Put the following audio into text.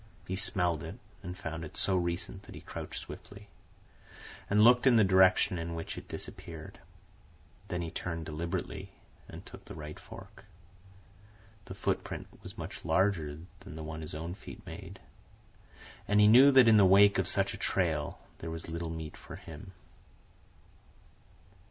He smelled it and found it so recent that he crouched swiftly, and looked in the direction in which it disappeared. Then he turned deliberately and took the right fork. The footprint was much larger than the one his own feet made, and he knew that in the wake of such a trail there was little meat for him.